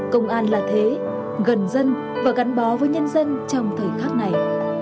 công an là thế gần dân và gắn bó với nhân dân trong thời khắc này